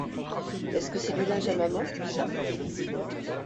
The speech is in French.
Est-ce que c’est du linge à maman, tout ça?